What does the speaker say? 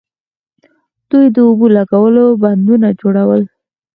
دوی د اوبو لګولو بندونه جوړول